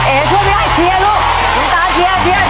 เออย่าช่วยไม่ได้เชียรูป